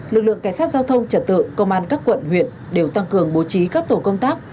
lực lượng cảnh sát giao thông trật tự công an các quận huyện đều tăng cường bố trí các tổ công tác